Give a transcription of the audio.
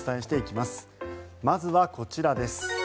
まずはこちらです。